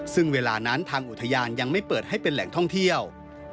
ซึ่งเวลานั้นทางอุทยานยังไม่เปิดให้เป็นแหล่งท่องเที่ยว